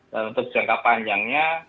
dan untuk jangka panjangnya